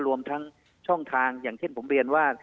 รวมทั้งช่องทางอย่างเช่นผมเรียนว่า